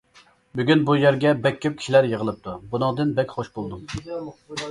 بۈگۈن بۇ يەرگە بەك كۆپ كىشىلەر يىغىلىپتۇ، بۇنىڭدىن بەك خۇش بولدۇم!